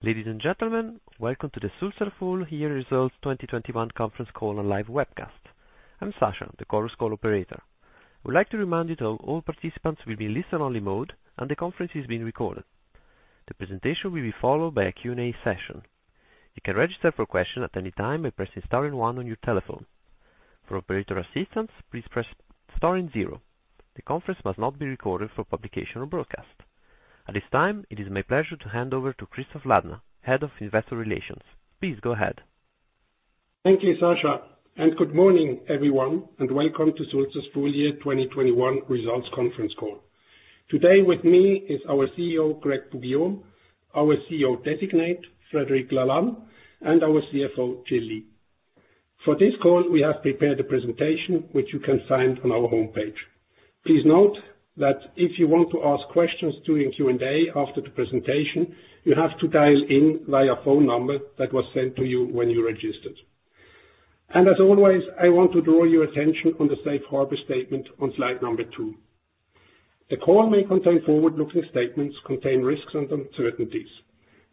Ladies and gentlemen, welcome to the Sulzer Full Year Results 2021 conference call and live webcast. I'm Sasha, the Chorus Call operator. I would like to remind you that all participants will be in listen-only mode and the conference is being recorded. The presentation will be followed by a Q&A session. You can register for questions at any time by pressing star and one on your telephone. For operator assistance, please press star and zero. The conference must not be recorded for publication or broadcast. At this time, it is my pleasure to hand over to Christoph Ladner, Head of Investor Relations. Please go ahead. Thank you, Sasha, and good morning, everyone, and welcome to Sulzer's Full Year 2021 Results conference call. Today with me is our CEO, Greg Poux-Guillaume, our CEO-designate, Frédéric Lalanne, and our CFO, Jill Lee. For this call, we have prepared a presentation which you can find on our homepage. Please note that if you want to ask questions during Q&A after the presentation, you have to dial in via phone number that was sent to you when you registered. As always, I want to draw your attention on the safe harbor statement on slide number two. The call may contain forward-looking statements, contain risks and uncertainties.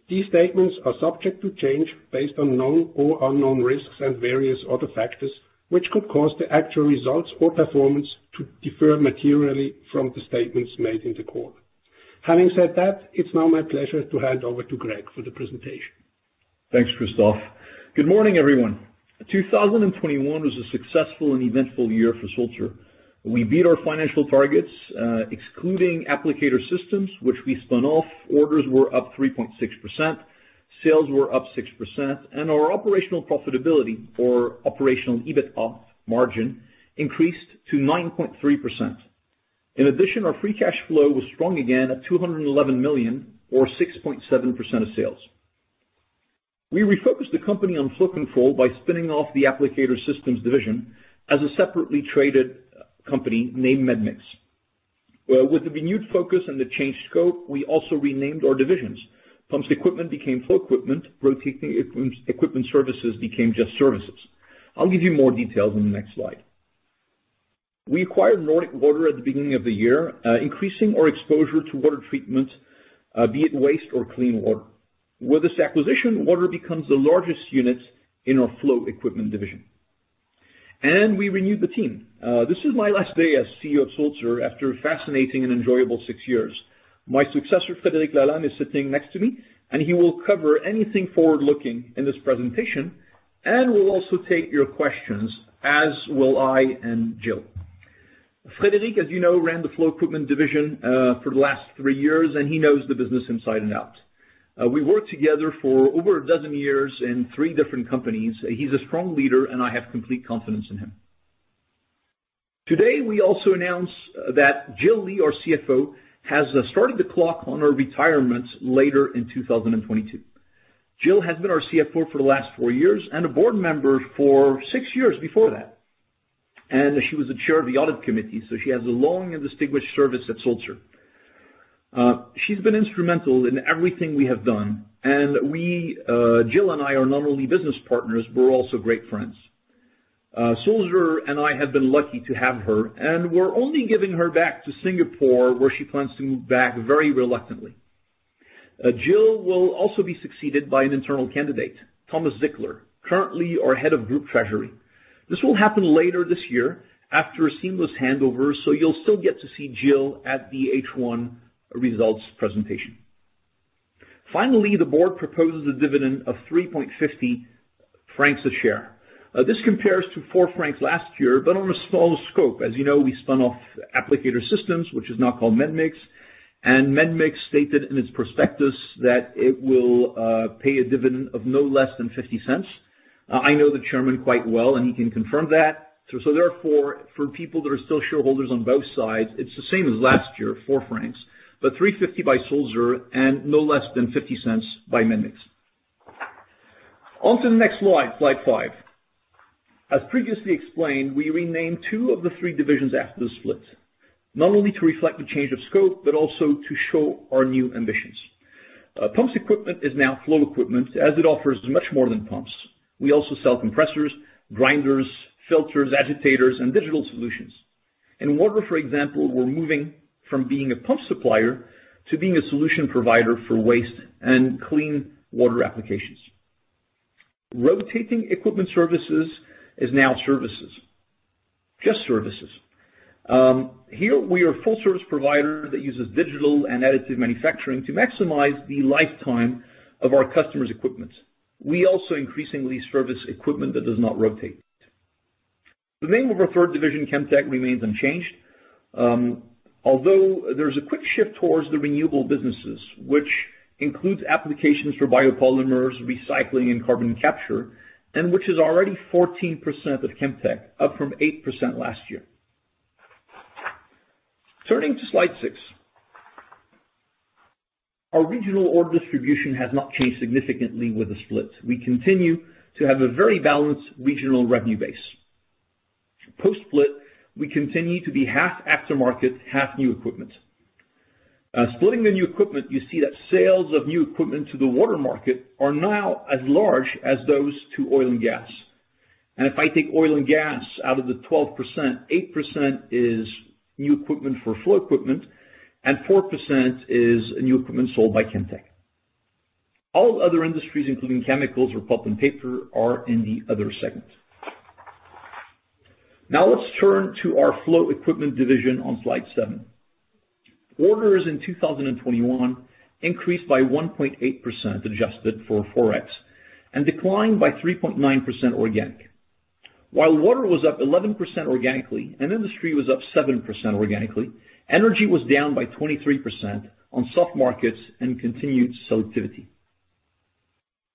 These statements are subject to change based on known or unknown risks and various other factors, which could cause the actual results or performance to differ materially from the statements made in the call. Having said that, it's now my pleasure to hand over to Greg for the presentation. Thanks, Christoph. Good morning, everyone. 2021 was a successful and eventful year for Sulzer. We beat our financial targets, excluding applicator systems which we spun off. Orders were up 3.6%, sales were up 6%, and our operational profitability or operational EBIT margin increased to 9.3%. In addition, our free cash flow was strong again at 211 million or 6.7% of sales. We refocused the company on flow control by spinning off the applicator systems division as a separately traded company named medmix. With the renewed focus and the changed scope, we also renamed our divisions. Pumps Equipment became Flow Equipment. Rotating equipment services became just Services. I'll give you more details in the next slide. We acquired Nordic Water at the beginning of the year, increasing our exposure to water treatment, be it waste or clean water. With this acquisition, water becomes the largest unit in our Flow Equipment division. We renewed the team. This is my last day as CEO of Sulzer after a fascinating and enjoyable six years. My successor, Frédéric Lalanne, is sitting next to me, and he will cover anything forward-looking in this presentation and will also take your questions, as will I and Jill. Frédéric, as you know, ran the Flow Equipment division for the last three years, and he knows the business inside and out. We worked together for over a dozen years in three different companies. He's a strong leader, and I have complete confidence in him. Today, we also announce that Jill Lee, our CFO, has started the clock on her retirement later in 2022. Jill has been our CFO for the last four years and a board member for six years before that. She was the Chair of the Audit Committee, so she has a long and distinguished service at Sulzer. She's been instrumental in everything we have done, and we, Jill and I are not only business partners, we're also great friends. Sulzer and I have been lucky to have her, and we're only giving her back to Singapore, where she plans to move back very reluctantly. Jill will also be succeeded by an internal candidate, Thomas Zickler, currently our Head of Group Treasury. This will happen later this year after a seamless handover, so you'll still get to see Jill at the H1 results presentation. Finally, the board proposes a dividend of 3.50 francs a share. This compares to 4 francs last year, but on a smaller scope. As you know, we spun off applicator systems, which is now called medmix, and medmix stated in its prospectus that it will pay a dividend of no less than 0.50. I know the chairman quite well, and he can confirm that. Therefore, for people that are still shareholders on both sides, it's the same as last year, 4 francs, but 3.50 by Sulzer and no less than 0.50 by medmix. On to the next slide five. As previously explained, we renamed two of the three divisions after the split, not only to reflect the change of scope, but also to show our new ambitions. Pumps Equipment is now Flow Equipment as it offers much more than Pumps. We also sell compressors, grinders, filters, agitators, and digital solutions. In water, for example, we're moving from being a pump supplier to being a solution provider for waste and clean water applications. Rotating equipment services is now Services. Just Services. Here we are a full service provider that uses digital and additive manufacturing to maximize the lifetime of our customers' equipment. We also increasingly service equipment that does not rotate. The name of our third division, Chemtech, remains unchanged, although there's a quick shift towards the renewable businesses, which includes applications for biopolymers, recycling, and carbon capture, and which is already 14% of Chemtech, up from 8% last year. Turning to slide six. Our regional order distribution has not changed significantly with the split. We continue to have a very balanced regional revenue base. Post-split, we continue to be half aftermarket, half new equipment. Splitting the new equipment, you see that sales of new equipment to the water market are now as large as those to oil and gas. If I take oil and gas out of the 12%, 8% is new equipment for Flow Equipment, and 4% is new equipment sold by Chemtech. All other industries, including chemicals or pulp and paper, are in the other segment. Now let's turn to our Flow Equipment division on slide seven. Orders in 2021 increased by 1.8% adjusted for FX and declined by 3.9% organic. While water was up 11% organically and industry was up 7% organically, energy was down by 23% on soft markets and continued selectivity.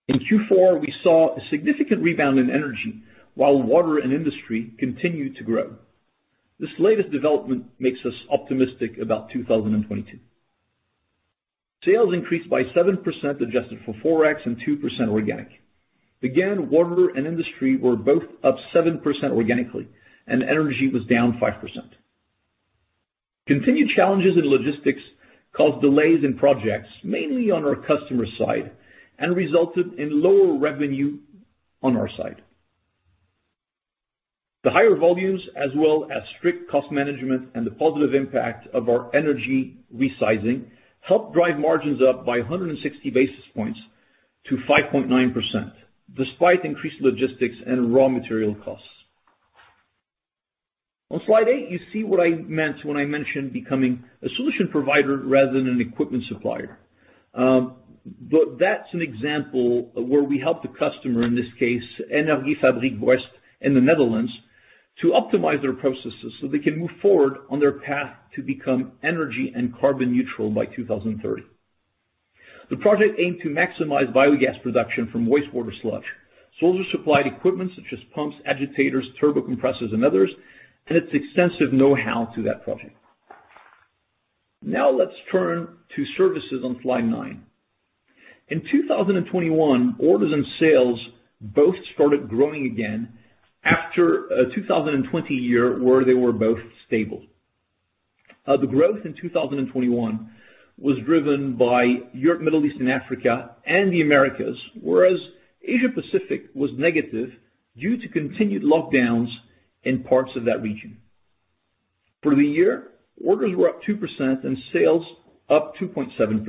In Q4, we saw a significant rebound in energy while water and industry continued to grow. This latest development makes us optimistic about 2022. Sales increased by 7% adjusted for FX and 2% organic. Again, water and industry were both up 7% organically and energy was down 5%. Continued challenges in logistics caused delays in projects, mainly on our customer side, and resulted in lower revenue on our side. The higher volumes, as well as strict cost management and the positive impact of our energy resizing, helped drive margins up by 160 basis points to 5.9%, despite increased logistics and raw material costs. On slide eight, you see what I meant when I mentioned becoming a solution provider rather than an equipment supplier. That's an example of where we help the customer, in this case Energie Fabriek West in the Netherlands, to optimize their processes so they can move forward on their path to become energy and carbon neutral by 2030. The project aimed to maximize biogas production from wastewater sludge. Sulzer supplied equipment such as pumps, agitators, turbocompressors and others, and its extensive know-how to that project. Now let's turn to services on slide nine. In 2021, orders and sales both started growing again after a 2020 year where they were both stable. The growth in 2021 was driven by Europe, Middle East and Africa and the Americas, whereas Asia-Pacific was negative due to continued lockdowns in parts of that region. For the year, orders were up 2% and sales up 2.7%.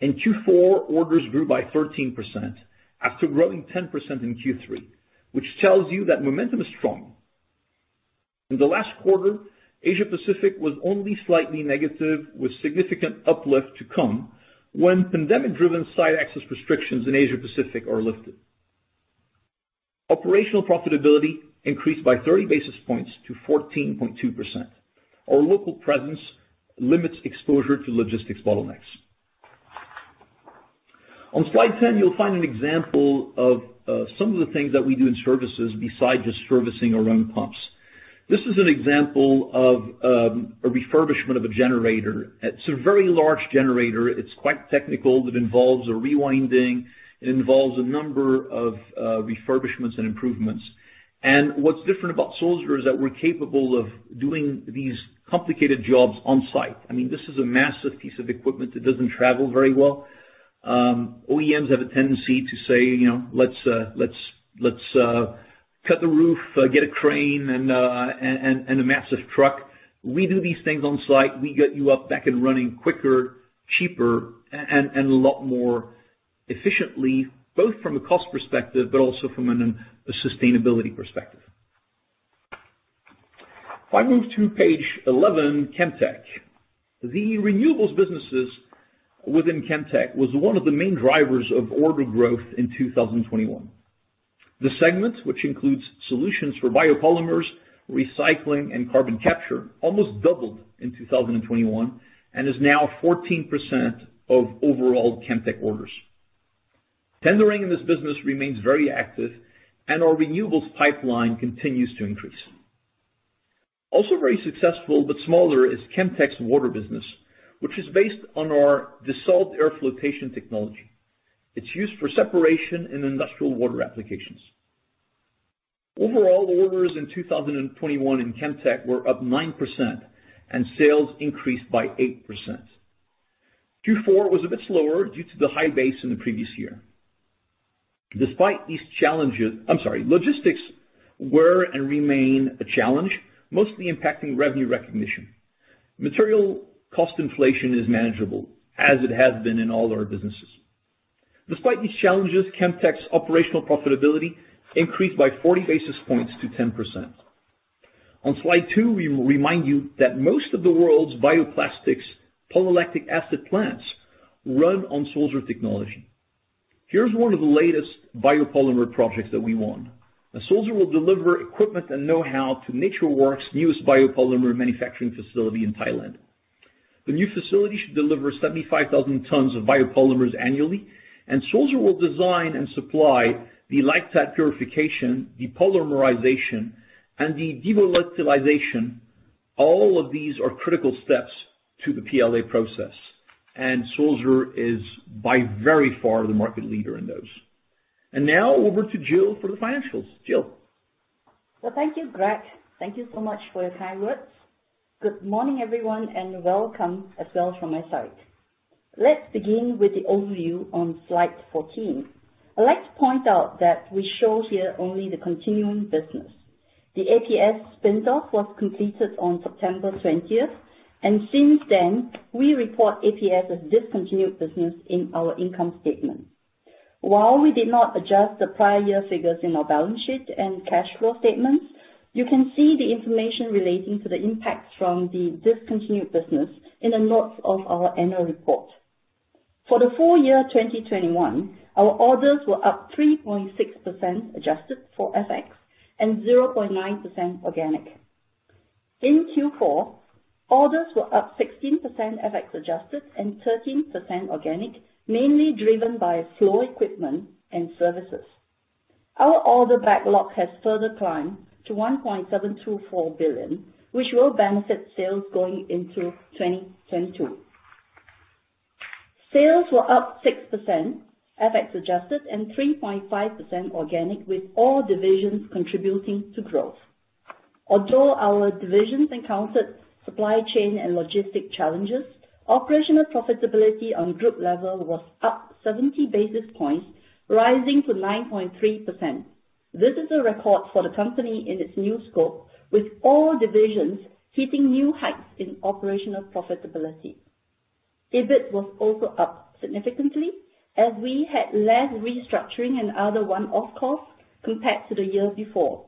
In Q4, orders grew by 13% after growing 10% in Q3, which tells you that momentum is strong. In the last quarter, Asia-Pacific was only slightly negative, with significant uplift to come when pandemic-driven site access restrictions in Asia-Pacific are lifted. Operational profitability increased by 30 basis points to 14.2%. Our local presence limits exposure to logistics bottlenecks. On slide 10, you'll find an example of some of the things that we do in Services besides just servicing our own pumps. This is an example of a refurbishment of a generator. It's a very large generator. It's quite technical. It involves a rewinding. It involves a number of refurbishments and improvements. What's different about Sulzer is that we're capable of doing these complicated jobs on site. I mean, this is a massive piece of equipment that doesn't travel very well. OEMs have a tendency to say, you know, "Let's cut the roof, get a crane and a massive truck." We do these things on site. We get you up, back and running quicker, cheaper and a lot more efficiently, both from a cost perspective, but also from a sustainability perspective. If I move to page 11, Chemtech. The renewables businesses within Chemtech was one of the main drivers of order growth in 2021. The segment, which includes solutions for biopolymers, recycling and carbon capture, almost doubled in 2021 and is now 14% of overall Chemtech orders. Tendering in this business remains very active and our renewables pipeline continues to increase. Also very successful but smaller is Chemtech's water business, which is based on our dissolved air flotation technology. It's used for separation in industrial water applications. Overall, orders in 2021 in Chemtech were up 9% and sales increased by 8%. Q4 was a bit slower due to the high base in the previous year. Despite these challenges, I'm sorry, logistics were and remain a challenge, mostly impacting revenue recognition. Material cost inflation is manageable as it has been in all our businesses. Despite these challenges, Chemtech's operational profitability increased by 40 basis points to 10%. On slide two, we remind you that most of the world's bioplastics polylactic acid plants run on Sulzer technology. Here's one of the latest biopolymer projects that we won. Sulzer will deliver equipment and know-how to NatureWorks' newest biopolymer manufacturing facility in Thailand. The new facility should deliver 75,000 tons of biopolymers annually, and Sulzer will design and supply the lactide purification, the polymerization, and the devolatilization. All of these are critical steps to the PLA process, and Sulzer is by very far the market leader in those. Now over to Jill for the financials. Jill? Well, thank you, Greg. Thank you so much for your kind words. Good morning, everyone, and welcome as well from my side. Let's begin with the overview on slide 14. I'd like to point out that we show here only the continuing business. The APS spin-off was completed on September twentieth, and since then, we report APS as discontinued business in our income statement. While we did not adjust the prior year figures in our balance sheet and cash flow statements, you can see the information relating to the impact from the discontinued business in the notes of our annual report. For the full year 2021, our orders were up 3.6% adjusted for FX and 0.9% organic. In Q4, orders were up 16% FX adjusted and 13% organic, mainly driven by Flow Equipment and Services. Our order backlog has further climbed to 1.724 billion, which will benefit sales going into 2022. Sales were up 6% FX adjusted and 3.5% organic, with all divisions contributing to growth. Although our divisions encountered supply chain and logistic challenges, operational profitability on group level was up 70 basis points, rising to 9.3%. This is a record for the company in its new scope, with all divisions hitting new heights in operational profitability. EBIT was also up significantly as we had less restructuring and other one-off costs compared to the year before.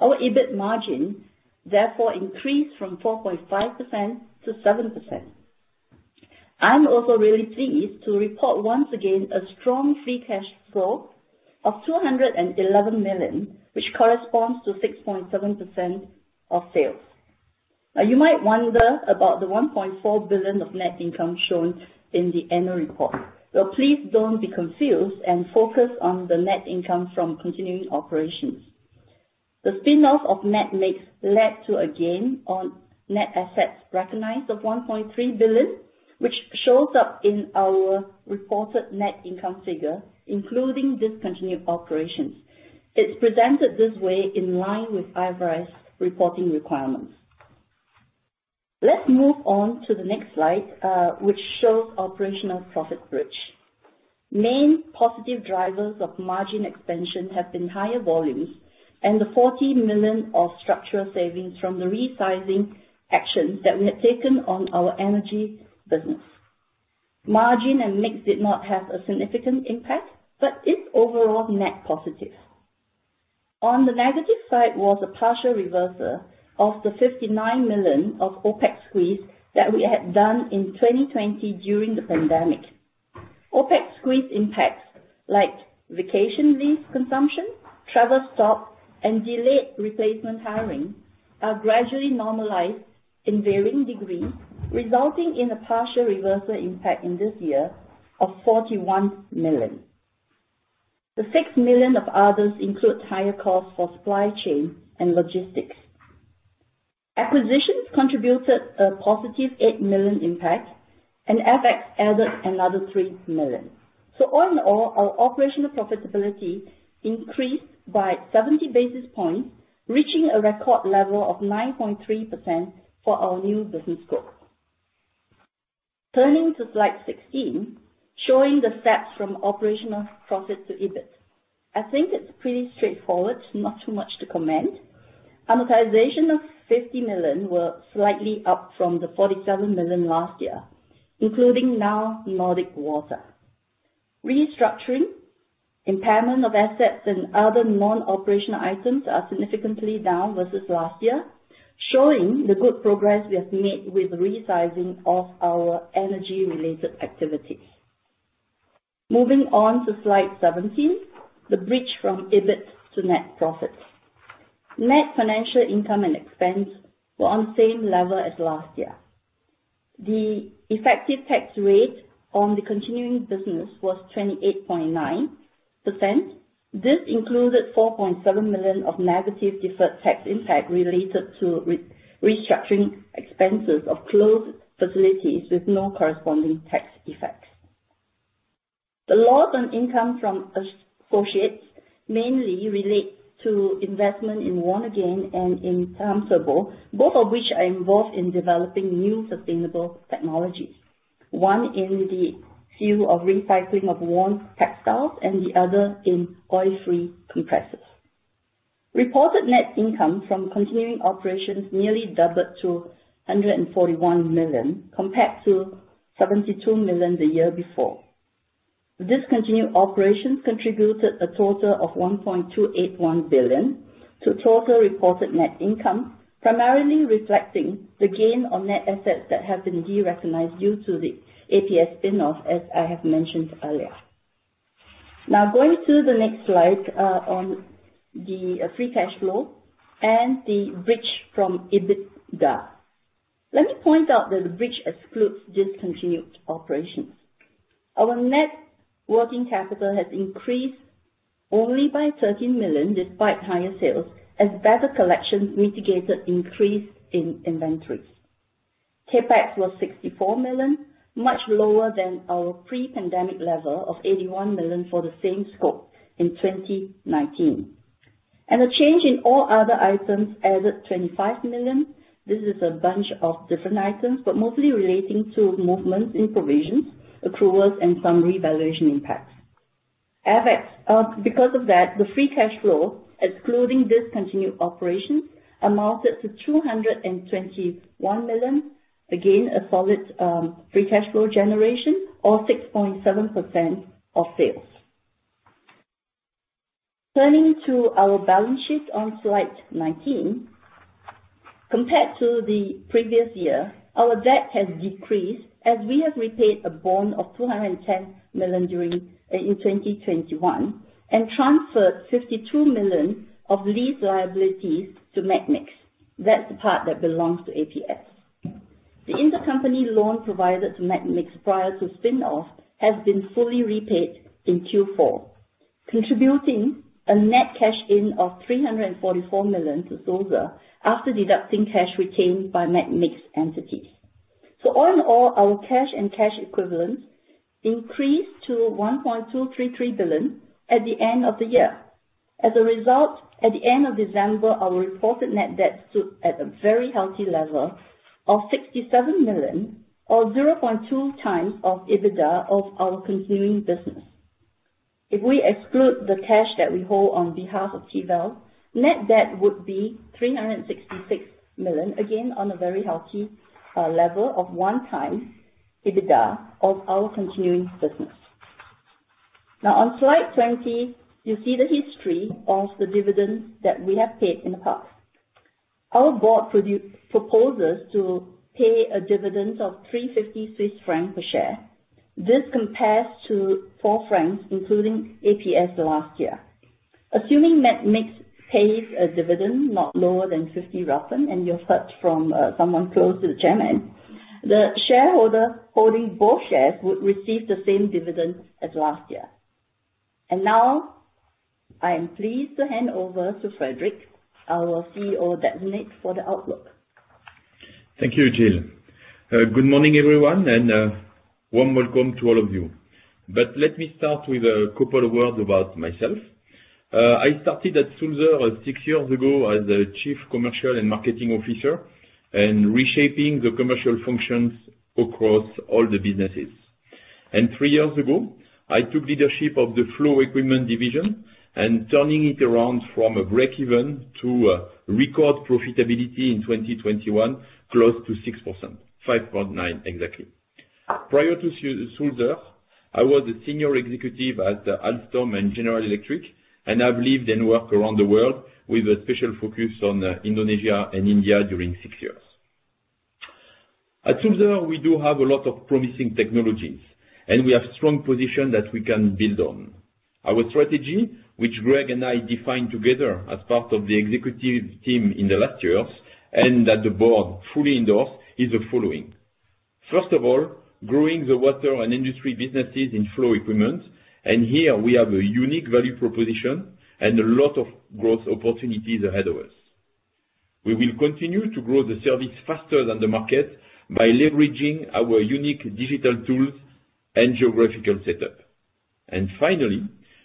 Our EBIT margin therefore increased from 4.5% to 7%. I'm also really pleased to report once again a strong free cash flow of 211 million, which corresponds to 6.7% of sales. Now, you might wonder about the 1.4 billion of net income shown in the annual report. Please don't be confused and focus on the net income from continuing operations. The spin-off of medmix led to a gain on net assets recognized of 1.3 billion, which shows up in our reported net income figure, including discontinued operations. It's presented this way in line with IFRS reporting requirements. Let's move on to the next slide, which shows operational profit bridge. Main positive drivers of margin expansion have been higher volumes and the 40 million of structural savings from the resizing actions that we had taken on our energy business. Margin and mix did not have a significant impact, but it's overall net positive. On the negative side was a partial reversal of the 59 million of OpEx squeeze that we had done in 2020 during the pandemic. OpEx squeeze impacts like vacation leave consumption, travel stops, and delayed replacement hiring are gradually normalized in varying degrees, resulting in a partial reversal impact in this year of 41 million. The 6 million of others include higher costs for supply chain and logistics. Acquisitions contributed a positive 8 million impact and FX added another 3 million. All in all, our operational profitability increased by 70 basis points, reaching a record level of 9.3% for our new business scope. Turning to slide 16, showing the steps from operational profit to EBIT. I think it's pretty straightforward, not too much to comment. Amortization of 50 million were slightly up from the 47 million last year, including now Nordic Water. Restructuring, impairment of assets and other non-operational items are significantly down versus last year, showing the good progress we have made with resizing of our energy-related activities. Moving on to slide 17, the bridge from EBIT to net profit. Net financial income and expense were on same level as last year. The effective tax rate on the continuing business was 28.9%. This included 4.7 million of negative deferred tax impact related to restructuring expenses of closed facilities with no corresponding tax effects. The loss on income from associates mainly relates to investment in Worn Again and in Tamturbo, both of which are involved in developing new sustainable technologies. One in the field of recycling of worn textiles and the other in oil-free compressors. Reported net income from continuing operations nearly doubled to 141 million, compared to 72 million the year before. Discontinued operations contributed a total of 1.281 billion to total reported net income, primarily reflecting the gain on net assets that have been derecognized due to the APS spin-off, as I have mentioned earlier. Now, going to the next slide, on the free cash flow and the bridge from EBITDA. Let me point out that the bridge excludes discontinued operations. Our net working capital has increased only by 13 million despite higher sales as better collections mitigated increase in inventories. CapEx was 64 million, much lower than our pre-pandemic level of 81 million for the same scope in 2019. A change in all other items added 25 million. This is a bunch of different items, but mostly relating to movements in provisions, accruals, and some revaluation impacts. Because of that, the free cash flow, excluding discontinued operations, amounted to 221 million. Again, a solid, free cash flow generation of 6.7% of sales. Turning to our balance sheet on slide 19. Compared to the previous year, our debt has decreased as we have repaid a bond of 210 million during in 2021 and transferred 52 million of lease liabilities to medmix. That's the part that belongs to APS. The intercompany loan provided to medmix prior to spin-off has been fully repaid in Q4, contributing a net cash in of 344 million to Sulzer after deducting cash retained by medmix entities. All in all, our cash and cash equivalents increased to 1.233 billion at the end of the year. As a result, at the end of December, our reported net debt stood at a very healthy level of 67 million or 0.2x EBITDA of our continuing business. If we exclude the cash that we hold on behalf of Tiwel, net debt would be 366 million, again, on a very healthy level of 1x EBITDA of our continuing business. Now on slide 20, you see the history of the dividends that we have paid in the past. Our board proposes to pay a dividend of 3.50 Swiss francs per share. This compares to 4 francs, including APS last year. Assuming medmix pays a dividend not lower than 0.50, and you've heard from someone close to the chairman, the shareholder holding both shares would receive the same dividend as last year. Now, I am pleased to hand over to Frédéric, our CEO-designate for the outlook. Thank you, Jill. Good morning, everyone, and warm welcome to all of you. Let me start with a couple of words about myself. I started at Sulzer six years ago as the Chief Commercial and Marketing Officer and reshaping the commercial functions across all the businesses. Three years ago, I took leadership of the Flow Equipment division and turning it around from a break-even to record profitability in 2021, close to 6%, 5.9% exactly. Prior to Sulzer, I was a senior executive at Alstom and General Electric, and I've lived and worked around the world with a special focus on Indonesia and India during six years. At Sulzer, we do have a lot of promising technologies, and we have strong position that we can build on. Our strategy, which Greg and I defined together as part of the executive team in the last years and that the board fully endorsed, is the following. First of all, growing the water and industry businesses in Flow Equipment, and here we have a unique value proposition and a lot of growth opportunities ahead of us. We will continue to grow the service faster than the market by leveraging our unique digital tools and geographical setup. Finally,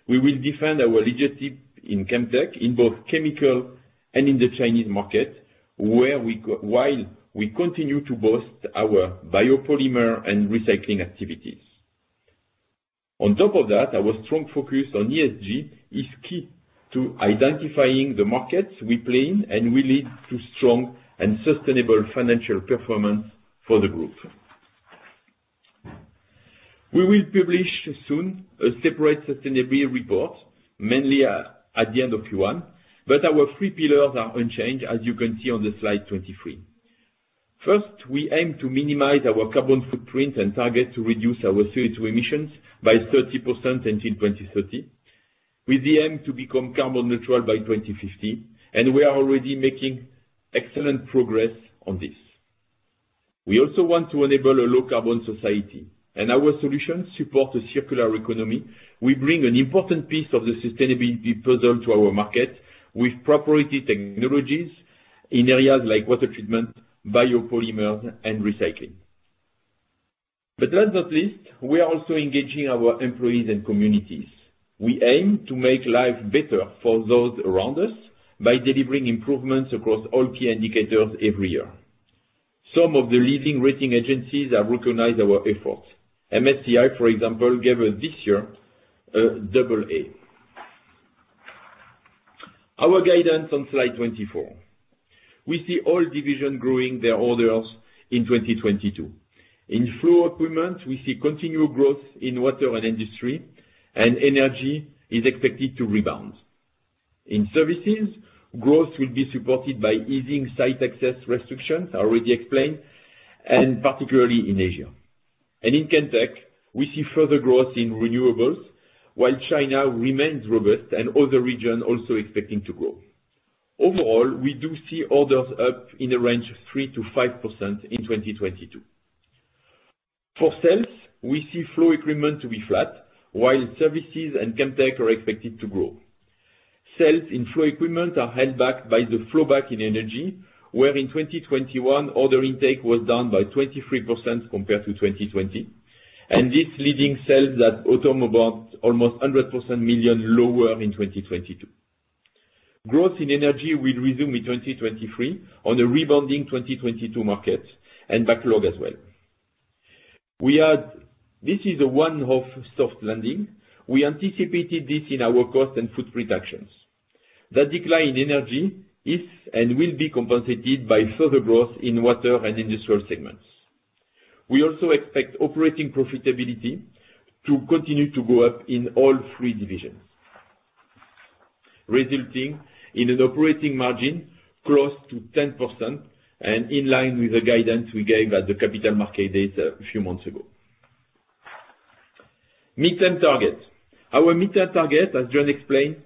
we will defend our leadership in Chemtech in both chemical and in the Chinese market, while we continue to boost our biopolymer and recycling activities. On top of that, our strong focus on ESG is key to identifying the markets we play in and will lead to strong and sustainable financial performance for the group. We will publish soon a separate sustainability report, mainly at the end of Q1, but our three pillars are unchanged, as you can see on the slide 23. First, we aim to minimize our carbon footprint and target to reduce our CO2 emissions by 30% until 2030, with the aim to become carbon neutral by 2050, and we are already making excellent progress on this. We also want to enable a low carbon society, and our solutions support a circular economy. We bring an important piece of the sustainability puzzle to our market with proprietary technologies in areas like water treatment, biopolymers, and recycling. Last but not least, we are also engaging our employees and communities. We aim to make life better for those around us by delivering improvements across all key indicators every year. Some of the leading rating agencies have recognized our efforts. MSCI, for example, gave us this year a double A. Our guidance on slide 24. We see all division growing their orders in 2022. In Flow Equipment, we see continued growth in water and industry, and energy is expected to rebound. In Services, growth will be supported by easing site access restrictions, I already explained, and particularly in Asia. In Chemtech, we see further growth in renewables, while China remains robust and other region also expecting to grow. Overall, we do see orders up in the range of 3%-5% in 2022. For sales, we see Flow Equipment to be flat while Services and Chemtech are expected to grow. Sales in Flow Equipment are held back by the slowdown in energy, where in 2021, order intake was down by 23% compared to 2020. The sales were almost 100 million lower in 2022. Growth in energy will resume in 2023 on a rebounding 2022 market and backlog as well. This is a one-off soft landing. We anticipated this in our cost and footprint actions. The decline in energy is and will be compensated by further growth in water and industrial segments. We also expect operating profitability to continue to go up in all three divisions, resulting in an operating margin close to 10% and in line with the guidance we gave at the Capital Markets Day a few months ago. Our midterm target, as Jill explained,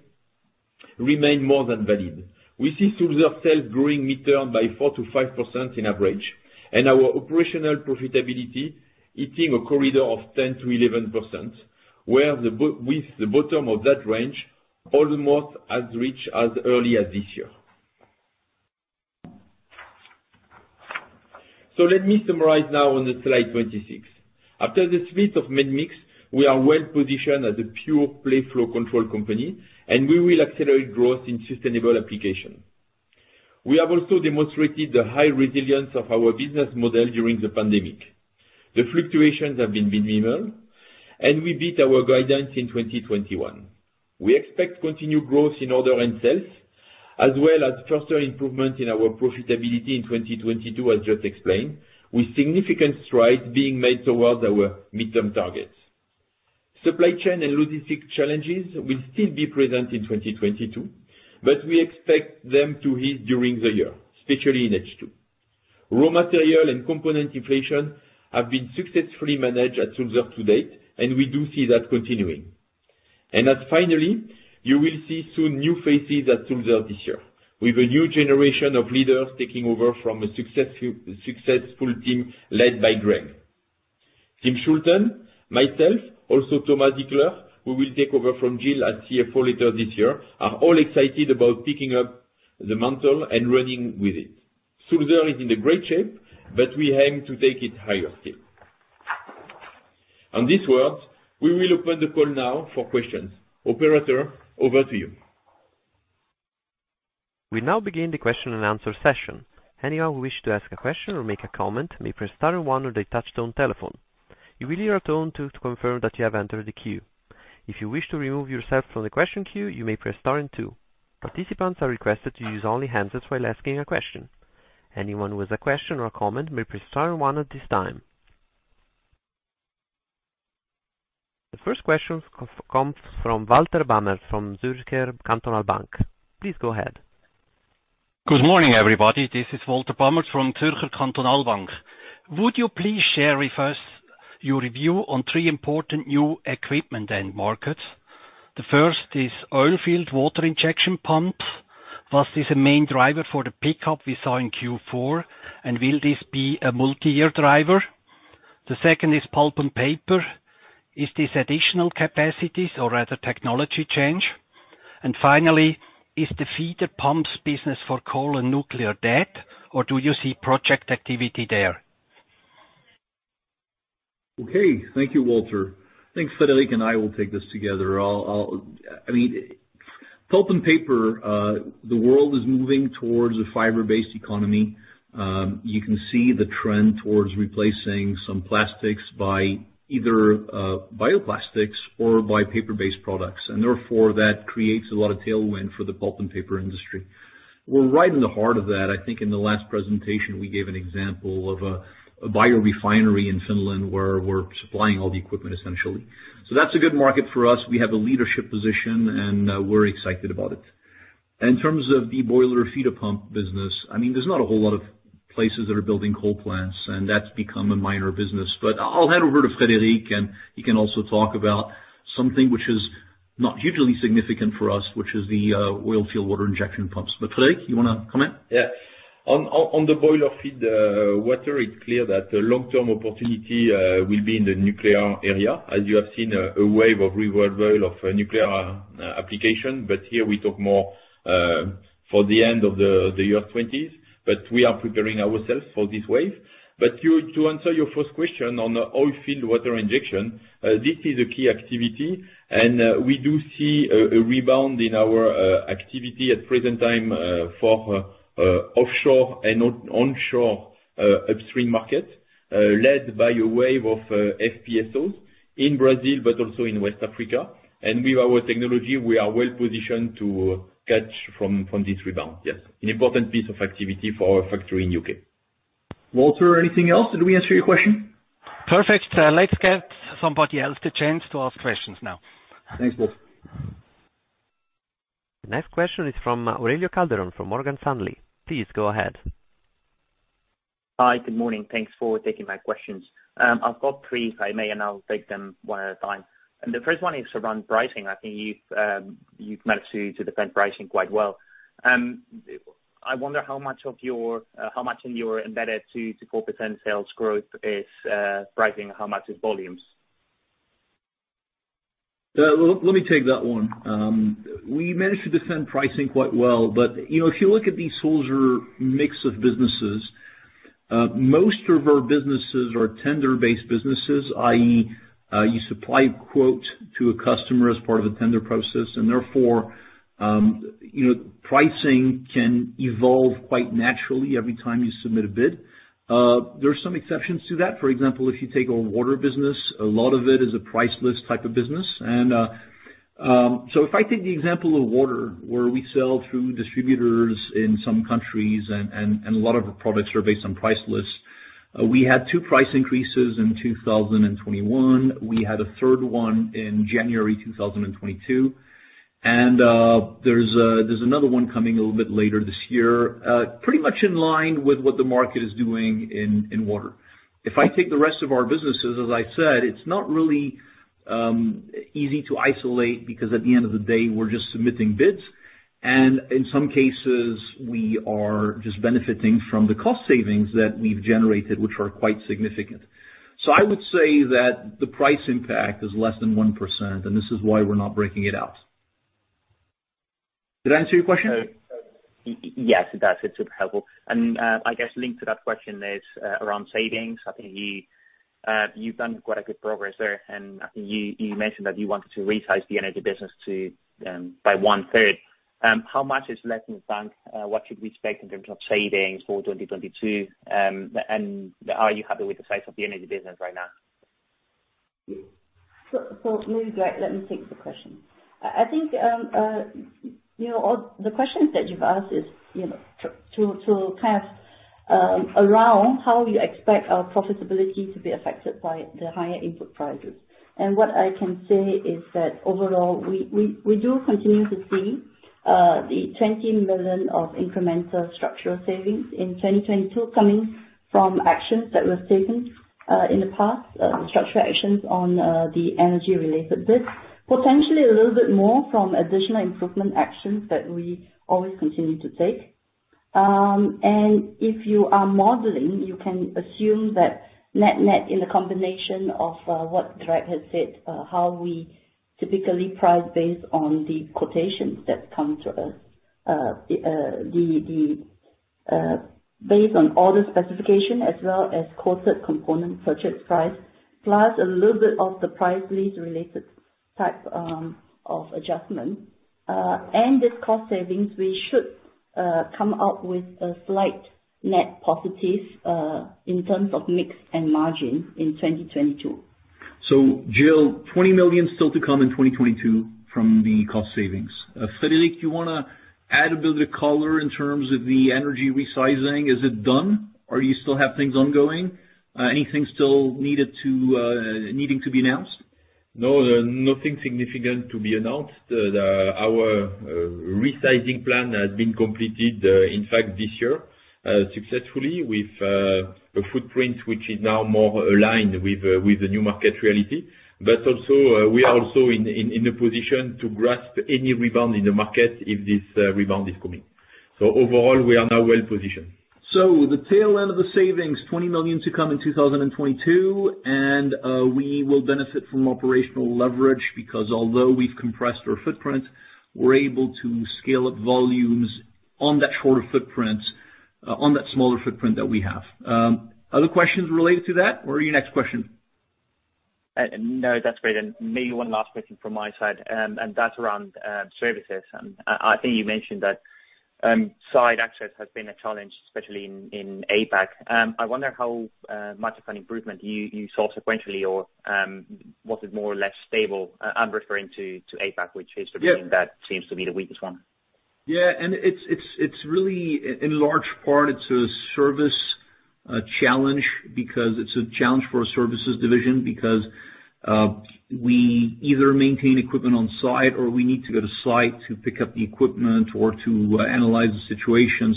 remain more than valid. We see Sulzer sales growing midterm by 4%-5% on average, and our operational profitability hitting a corridor of 10%-11%, where the bottom of that range almost reached as early as this year. Let me summarize now on the slide 26. After the split of medmix, we are well positioned as a pure play flow control company, and we will accelerate growth in sustainable application. We have also demonstrated the high resilience of our business model during the pandemic. The fluctuations have been minimal and we beat our guidance in 2021. We expect continued growth in order and sales, as well as faster improvement in our profitability in 2022, as just explained, with significant strides being made towards our midterm targets. Supply chain and logistics challenges will still be present in 2022, but we expect them to hit during the year, especially in H2. Raw material and component inflation have been successfully managed at Sulzer to date, and we do see that continuing. As finally, you will see soon new faces at Sulzer this year with a new generation of leaders taking over from a successful team led by Greg. Tim Schulten, myself, also Thomas Zickler, who will take over from Jill as CFO later this year, are all excited about picking up the mantle and running with it. Sulzer is in a great shape, but we aim to take it higher still. On this word, we will open the call now for questions. Operator, over to you. We now begin the question and answer session. Anyone who wish to ask a question or make a comment may press star and one on their touchtone telephone. You will hear a tone to confirm that you have entered the queue. If you wish to remove yourself from the question queue, you may press star and two. Participants are requested to use only handsets while asking a question. Anyone with a question or a comment may press star and one at this time. The first question comes from Walter Bamert from Zürcher Kantonalbank. Please go ahead. Good morning, everybody. This is Walter Bamert from Zürcher Kantonalbank. Would you please share with us your review on three important new equipment and markets? The first is oil field water injection pumps. What is the main driver for the pickup we saw in Q4? And will this be a multi-year driver? The second is pulp and paper. Is this additional capacities or rather technology change? And finally, is the feeder pumps business for coal and nuclear dead, or do you see project activity there? Okay. Thank you, Walter. I think Frédéric and I will take this together. I mean, pulp and paper, the world is moving towards a fiber-based economy. You can see the trend towards replacing some plastics by either bioplastics or by paper-based products, and therefore that creates a lot of tailwind for the pulp and paper industry. We're right in the heart of that. I think in the last presentation, we gave an example of a biorefinery in Finland where we're supplying all the equipment essentially. So that's a good market for us. We have a leadership position and we're excited about it. In terms of the boiler feeder pump business, I mean, there's not a whole lot of places that are building coal plants, and that's become a minor business. I'll hand over to Frédéric, and he can also talk about something which is not hugely significant for us, which is the oil field water injection pumps. Frédéric, you wanna comment? Yeah. On the boiler feed water, it's clear that the long-term opportunity will be in the nuclear area. As you have seen a wave of revival of nuclear application. Here we talk more for the end of the year 2020s. We are preparing ourselves for this wave. To answer your first question on oil field water injection, this is a key activity, and we do see a rebound in our activity at present time for offshore and onshore upstream market led by a wave of FPSOs in Brazil but also in West Africa. With our technology, we are well positioned to catch from this rebound. Yes. An important piece of activity for our factory in U.K. Walter, anything else? Did we answer your question? Perfect. Let's get somebody else the chance to ask questions now. Thanks, Walter. The next question is from Aurelio Calderon from Morgan Stanley. Please go ahead. Hi. Good morning. Thanks for taking my questions. I've got three, if I may, and I'll take them one at a time. The first one is around pricing. I think you've managed to defend pricing quite well. I wonder how much in your embedded 2%-4% sales growth is pricing, how much is volumes? Let me take that one. We managed to defend pricing quite well, but, you know, if you look at Sulzer's mix of businesses, most of our businesses are tender-based businesses, i.e., you supply a quote to a customer as part of a tender process and therefore, you know, pricing can evolve quite naturally every time you submit a bid. There are some exceptions to that. For example, if you take our water business, a lot of it is a price list type of business. If I take the example of water, where we sell through distributors in some countries and a lot of our products are based on price lists, we had two price increases in 2021. We had a third one in January 2022, and there's another one coming a little bit later this year, pretty much in line with what the market is doing in water. If I take the rest of our businesses, as I said, it's not really easy to isolate because at the end of the day, we're just submitting bids. In some cases, we are just benefiting from the cost savings that we've generated, which are quite significant. I would say that the price impact is less than 1%, and this is why we're not breaking it out. Did I answer your question? Yes, it does. It's super helpful. I guess linked to that question is around savings. I think you've done quite a good progress there, and I think you mentioned that you wanted to resize the energy business to by one-third. How much is left in the bank? What should we expect in terms of savings for 2022? Are you happy with the size of the energy business right now? Maybe, Greg, let me take the question. I think, you know, all the questions that you've asked is, you know, to cast around how you expect our profitability to be affected by the higher input prices. What I can say is that overall, we do continue to see the 20 million of incremental structural savings in 2022 coming from actions that were taken in the past, the structural actions on the energy related bits. Potentially a little bit more from additional improvement actions that we always continue to take. If you are modeling, you can assume that net-net in the combination of what Greg has said, how we typically price based on the quotations that come to us. Based on order specification as well as costed component purchase price, plus a little bit of the price lags related type of adjustment, and the cost savings, we should come up with a slight net positive in terms of mix and margin in 2022. Jill, 20 million still to come in 2022 from the cost savings. Frédéric, do you wanna add a bit of color in terms of the energy resizing? Is it done or you still have things ongoing? Anything still needed to be announced? No, nothing significant to be announced. Our resizing plan has been completed, in fact this year, successfully with a footprint which is now more aligned with the new market reality. But also, we are also in a position to grasp any rebound in the market if this rebound is coming. Overall, we are now well positioned. The tail end of the savings, 20 million to come in 2022, and we will benefit from operational leverage because although we've compressed our footprint, we're able to scale up volumes on that smaller footprint that we have. Other questions related to that or your next question? No, that's great. Maybe one last question from my side, and that's around services. I think you mentioned that site access has been a challenge, especially in APAC. I wonder how much of an improvement you saw sequentially or was it more or less stable? I'm referring to APAC, which historically- Yes. That seems to be the weakest one. It's really in large part a service challenge because it's a challenge for a services division. We either maintain equipment on site or we need to go to site to pick up the equipment or to analyze the situation.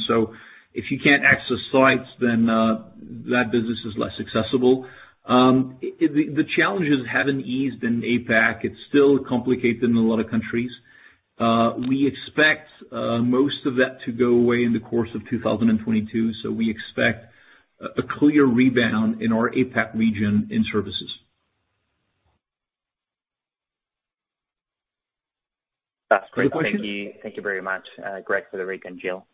If you can't access sites then, that business is less accessible. The challenges haven't eased in APAC. It's still complicated in a lot of countries. We expect most of that to go away in the course of 2022. We expect a clear rebound in our APAC region in services. That's great. Other questions? Thank you. Thank you very much, Greg, for the recap, and Jill.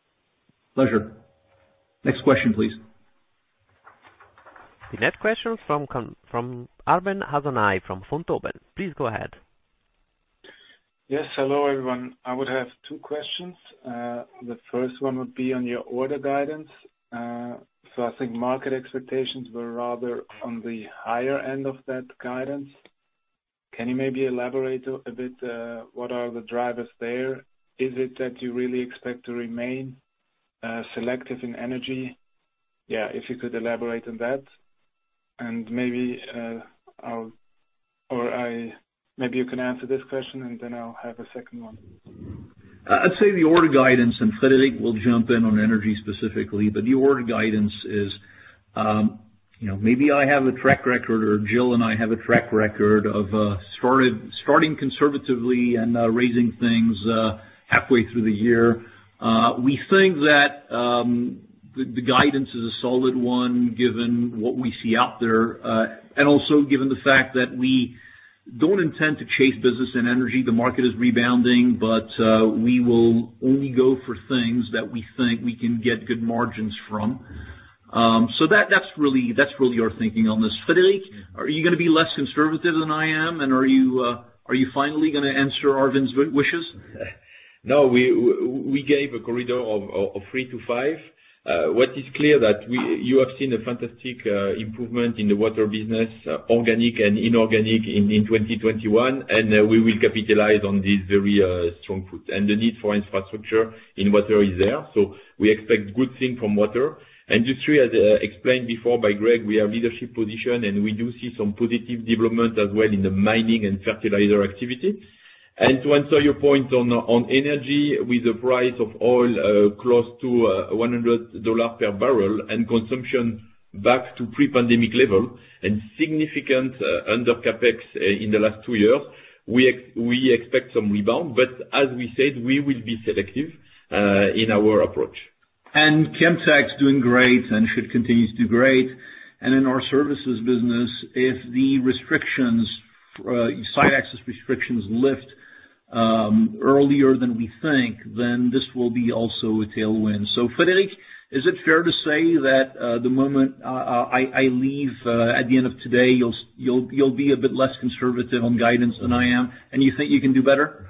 Pleasure. Next question, please. The next question from Arben Hasanaj from Vontobel. Please go ahead. Yes, hello, everyone. I would have two questions. The first one would be on your order guidance. So I think market expectations were rather on the higher end of that guidance. Can you maybe elaborate a bit, what are the drivers there? Is it that you really expect to remain selective in energy? Yeah, if you could elaborate on that. Maybe you can answer this question, and then I'll have a second one. I'd say the order guidance, and Frédéric will jump in on energy specifically, but the order guidance is, you know, maybe I have a track record or Jill and I have a track record of starting conservatively and raising things halfway through the year. We think that the guidance is a solid one given what we see out there and also given the fact that we don't intend to chase business and energy. The market is rebounding, but we will only go for things that we think we can get good margins from. So that's really our thinking on this. Frédéric, are you gonna be less conservative than I am? Are you finally gonna answer Arben's wishes? No. We gave a corridor of three to five. It is clear that you have seen a fantastic improvement in the water business, organic and inorganic in 2021, and we will capitalize on these very strong points. The need for infrastructure in water is there. We expect good things from the water industry. As explained before by Greg, we are in a leadership position, and we do see some positive development as well in the mining and fertilizer activity. To answer your point on energy with the price of oil close to $100 per barrel and consumption back to pre-pandemic level and significant under CapEx in the last two years, we expect some rebound, but as we said, we will be selective in our approach. Chemtech's doing great and should continue to do great. In our Services business, if the restrictions, site access restrictions lift earlier than we think, then this will be also a tailwind. Frédéric, is it fair to say that the moment I leave at the end of today, you'll be a bit less conservative on guidance than I am, and you think you can do better?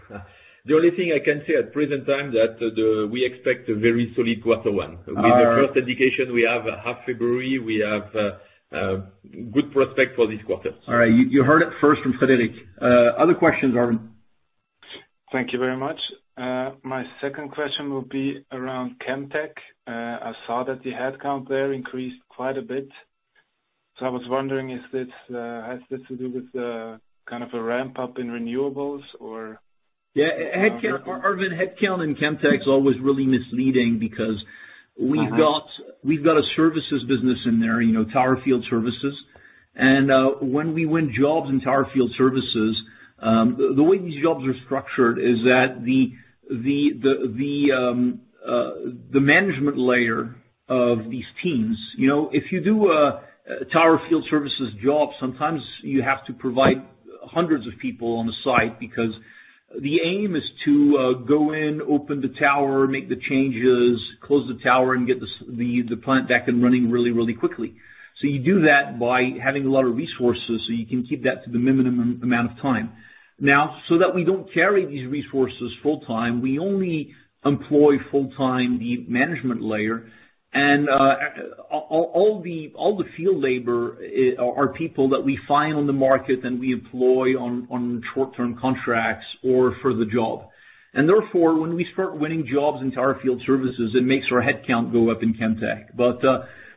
The only thing I can say at present time that we expect a very solid quarter one. All right. With the first indication, we have half February. We have good prospects for this quarter. All right. You heard it first from Frédéric. Other questions, Arben? Thank you very much. My second question will be around Chemtech. I saw that the headcount there increased quite a bit, so I was wondering if this has to do with the kind of a ramp-up in renewables or- Yeah. Headcount, Arben, and Chemtech's always really misleading because Uh-huh. We've got a services business in there, you know, tower field services. When we win jobs in tower field services, the management layer of these teams. You know, if you do a tower field services job, sometimes you have to provide hundreds of people on the site because the aim is to go in, open the tower, make the changes, close the tower, and get the plant back and running really quickly. You do that by having a lot of resources, so you can keep that to the minimum amount of time. Now, so that we don't carry these resources full-time, we only employ full-time the management layer and all the field labor are people that we find on the market and we employ on short-term contracts or for the job. Therefore, when we start winning jobs in tower field services, it makes our headcount go up in Chemtech.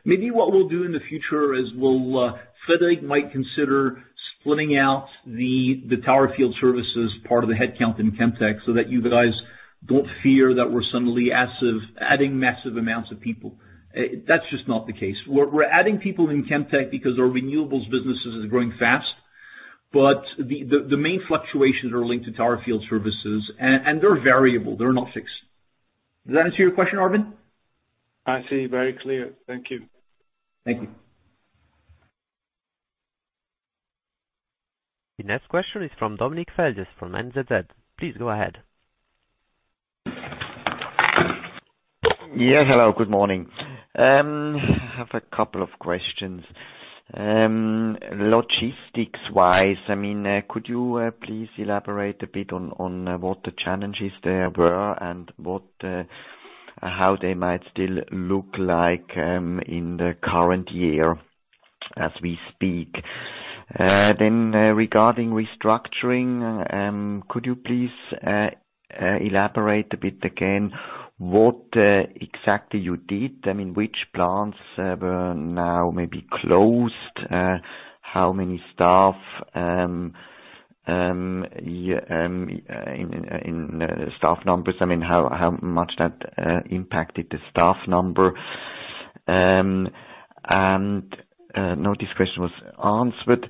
Maybe what we'll do in the future is Frédéric might consider splitting out the tower field services part of the headcount in Chemtech so that you guys don't fear that we're suddenly massive, adding massive amounts of people. That's just not the case. We're adding people in Chemtech because our renewables business is growing fast, but the main fluctuations are linked to tower field services. And they're variable, they're not fixed. Does that answer your question, Arben? I see very clearly. Thank you. Thank you. The next question is from Dominik Feldges from NZZ. Please go ahead. Yes. Hello, good morning. I have a couple of questions. Logistics-wise, I mean, could you please elaborate a bit on what the challenges there were and how they might still look like in the current year as we speak? Regarding restructuring, could you please elaborate a bit again what exactly you did? I mean, which plants were now maybe closed, how many staff in staff numbers, I mean, how much that impacted the staff number? No discussion was answered.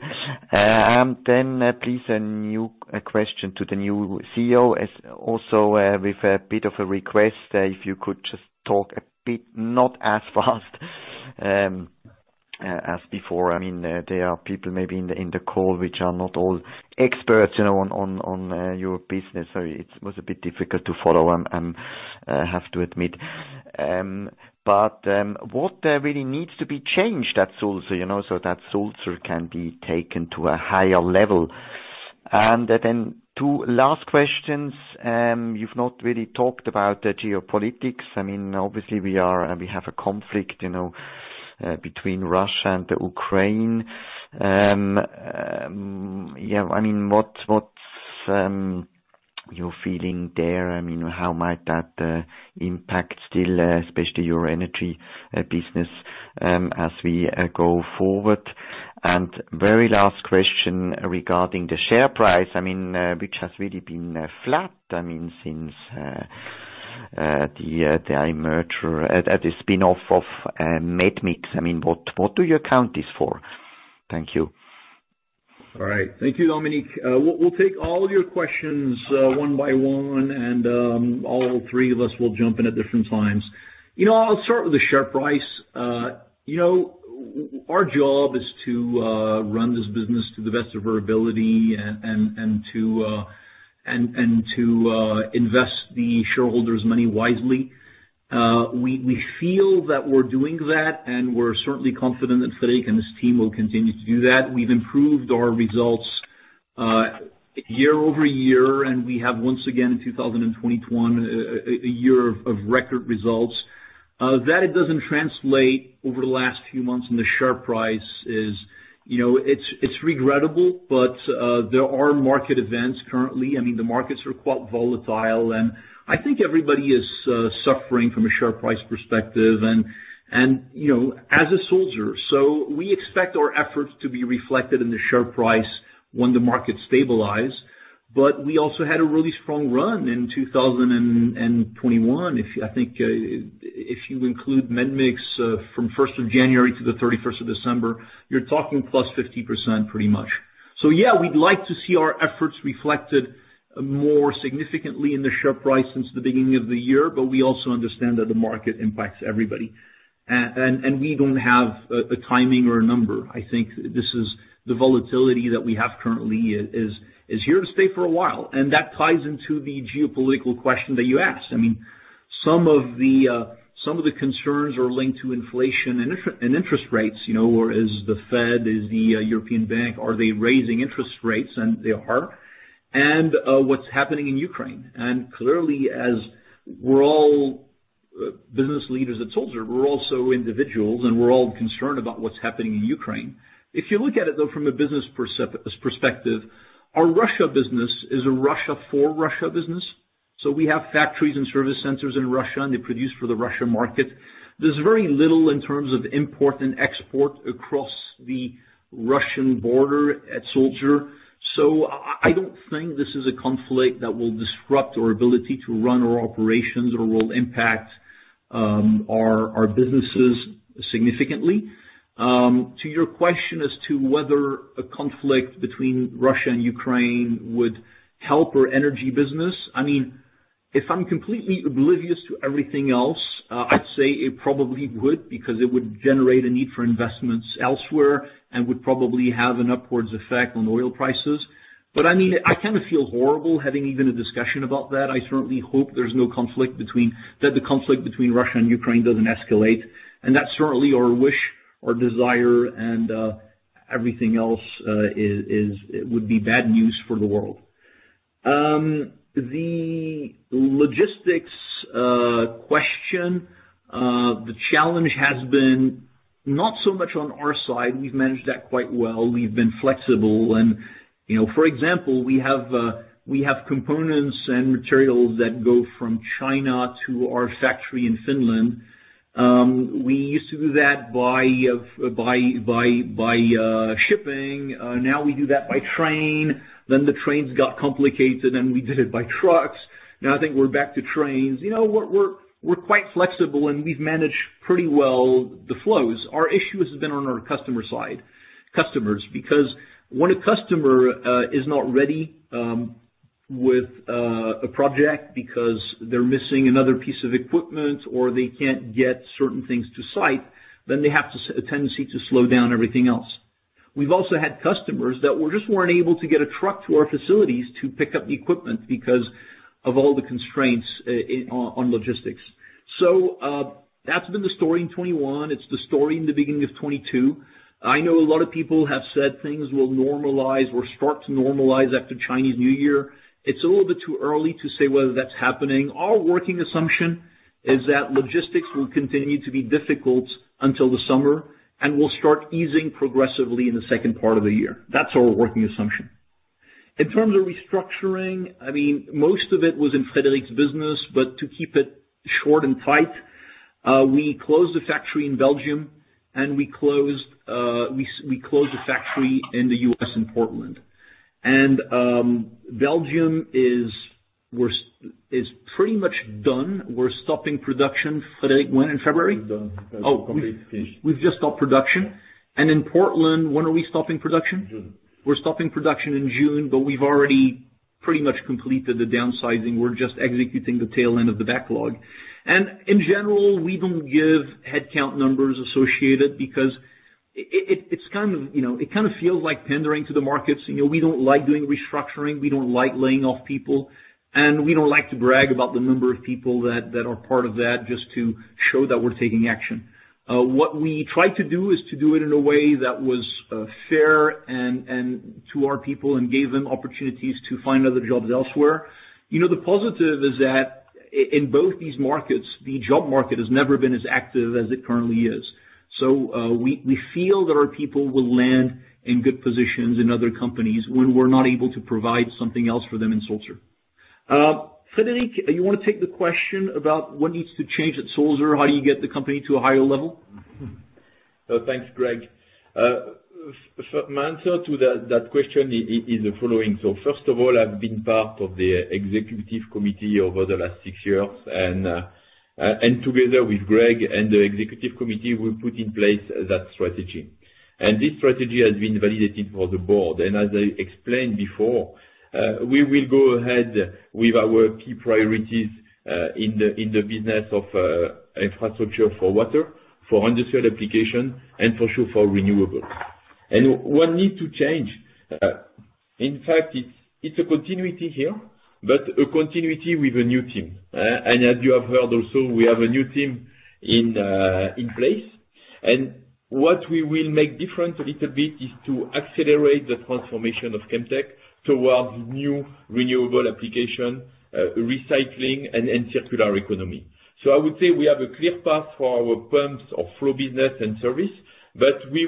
Please a new question to the new CEO and also with a bit of a request, if you could just talk a bit not as fast as before. I mean, there are people maybe in the call which are not all experts, you know, on your business. So it was a bit difficult to follow, I have to admit. But what really needs to be changed at Sulzer, you know, so that Sulzer can be taken to a higher level? And then two last questions. You've not really talked about the geopolitics. I mean, obviously we have a conflict, you know, between Russia and the Ukraine. Yeah, I mean, what's your feeling there? I mean, how might that impact Sulzer, especially your energy business, as we go forward? Very last question regarding the share price, I mean, which has really been flat, I mean, since the spin-off of Medmix. I mean, what do you account for this? Thank you. All right. Thank you, Dominik. We'll take all of your questions one by one, and all three of us will jump in at different times. You know, I'll start with the share price. You know, our job is to run this business to the best of our ability and to invest the shareholders' money wisely. We feel that we're doing that, and we're certainly confident that Frédéric and his team will continue to do that. We've improved our results year-over-year, and we have once again in 2021 a year of record results. That it doesn't translate over the last few months in the share price is, you know, it's regrettable, but there are market events currently. I mean, the markets are quite volatile, and I think everybody is suffering from a share price perspective, you know, as is Sulzer. We expect our efforts to be reflected in the share price when the market stabilize, but we also had a really strong run in 2021. I think, if you include medmix, from 1st January to 31st December, you're talking +50% pretty much. Yeah, we'd like to see our efforts reflected more significantly in the share price since the beginning of the year, but we also understand that the market impacts everybody, and we don't have a timing or a number. I think this is the volatility that we have currently is here to stay for a while, and that ties into the geopolitical question that you asked. I mean, some of the concerns are linked to inflation and interest rates, you know, or is the Fed, the European Bank, are they raising interest rates? They are. What's happening in Ukraine. Clearly, as we're all business leaders at Sulzer, we're also individuals, and we're all concerned about what's happening in Ukraine. If you look at it, though, from a business perspective, our Russia business is a Russia for Russia business. So we have factories and service centers in Russia, and they produce for the Russia market. There's very little in terms of import and export across the Russian border at Sulzer. I don't think this is a conflict that will disrupt our ability to run our operations or will impact our businesses significantly. To your question as to whether a conflict between Russia and Ukraine would help our energy business, I mean, if I'm completely oblivious to everything else, I'd say it probably would because it would generate a need for investments elsewhere and would probably have an upwards effect on oil prices. But I mean, I kind of feel horrible having even a discussion about that. I certainly hope that the conflict between Russia and Ukraine doesn't escalate. That's certainly our wish or desire and everything else would be bad news for the world. The logistics question, the challenge has been not so much on our side. We've managed that quite well. We've been flexible and, you know, for example, we have components and materials that go from China to our factory in Finland. We used to do that by shipping. Now we do that by train. Then the trains got complicated, and we did it by trucks. Now I think we're back to trains. You know, we're quite flexible, and we've managed pretty well the flows. Our issue has been on our customer side, customers. Because when a customer is not ready with a project because they're missing another piece of equipment or they can't get certain things to site, then they have a tendency to slow down everything else. We've also had customers that weren't able to get a truck to our facilities to pick up equipment because of all the constraints on logistics. That's been the story in 2021. It's the story in the beginning of 2022. I know a lot of people have said things will normalize or start to normalize after Chinese New Year. It's a little bit too early to say whether that's happening. Our working assumption is that logistics will continue to be difficult until the summer and will start easing progressively in the second part of the year. That's our working assumption. In terms of restructuring, most of it was in Frédéric's business, but to keep it short and tight, we closed a factory in Belgium, and we closed a factory in the U.S. in Portland. Belgium is pretty much done. We're stopping production, Frédéric, when? In February? We're done. Completely finished. Oh, we've just stopped production. In Portland, when are we stopping production? June. We're stopping production in June, but we've already pretty much completed the downsizing. We're just executing the tail end of the backlog. In general, we don't give headcount numbers associated because it's kind of, you know, it kind of feels like pandering to the markets. You know, we don't like doing restructuring, we don't like laying off people, and we don't like to brag about the number of people that are part of that just to show that we're taking action. What we try to do is to do it in a way that was fair and to our people and gave them opportunities to find other jobs elsewhere. You know, the positive is that in both these markets, the job market has never been as active as it currently is. We feel that our people will land in good positions in other companies when we're not able to provide something else for them in Sulzer. Frédéric, you wanna take the question about what needs to change at Sulzer? How do you get the company to a higher level? Thanks, Greg. My answer to that question is the following. First of all, I've been part of the Executive Committee over the last six years and together with Greg and the Executive Committee, we put in place that strategy. This strategy has been validated for the Board. As I explained before, we will go ahead with our key priorities in the business of infrastructure for water, for underserved application and for sure, for renewables. What needs to change, in fact, it's a continuity here, but a continuity with a new team. As you have heard also, we have a new team in place. What we will make different a little bit is to accelerate the transformation of Chemtech towards new renewable application, recycling and circular economy. I would say we have a clear path for our pumps or flow business and service, but we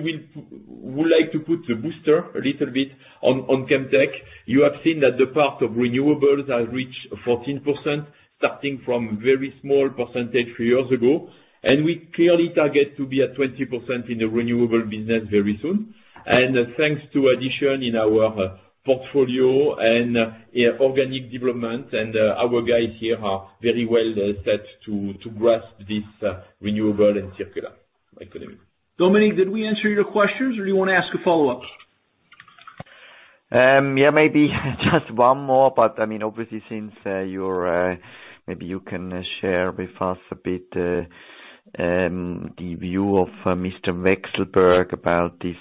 would like to put the booster a little bit on Chemtech. You have seen that the part of renewables has reached 14% starting from very small percentage few years ago, and we clearly target to be at 20% in the renewable business very soon. Thanks to addition in our portfolio and organic development, our guys here are very well set to grasp this renewable and circular economy. Dominik, did we answer your questions or you wanna ask a follow-up? Yeah, maybe just one more, but I mean, obviously since you're, maybe you can share with us a bit, the view of Mr. Vekselberg about this.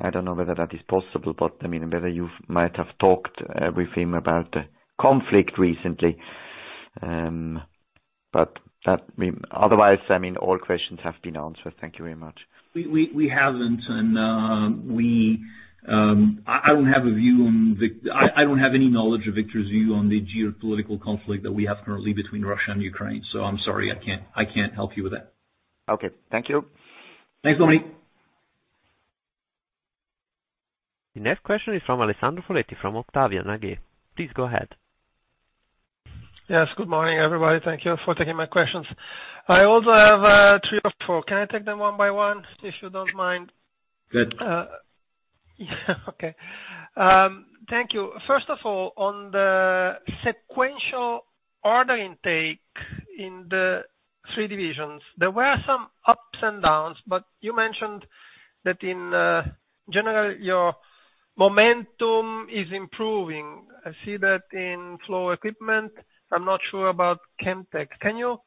I don't know whether that is possible, but I mean, whether you might have talked with him about the conflict recently. Otherwise, I mean, all questions have been answered. Thank you very much. We haven't. I don't have any knowledge of Viktor's view on the geopolitical conflict that we have currently between Russia and Ukraine, so I'm sorry, I can't help you with that. Okay. Thank you. Thanks, Dominik. The next question is from Alessandro Foletti from Octavian. Please go ahead. Yes. Good morning, everybody. Thank you for taking my questions. I also have three or four. Can I take them one by one, if you don't mind? Good. Okay. Thank you. First of all, on the sequential order intake in the three divisions, there were some ups and downs, but you mentioned that in general, your momentum is improving. I see that in Flow Equipment. I'm not sure about Chemtech. Can you